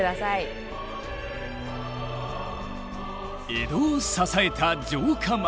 江戸を支えた城下町。